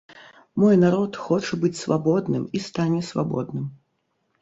Мой народ хоча быць свабодным і стане свабодным.